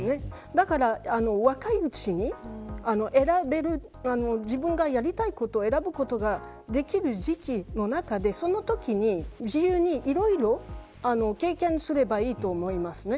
だから若いうちに自分がやりたいことを選ぶことができる時期の中でそのときに、自由にいろいろ経験すればいいと思いますね。